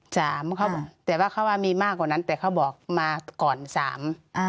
เขาบอกแต่ว่าเขาว่ามีมากกว่านั้นแต่เขาบอกมาก่อนสามอ่า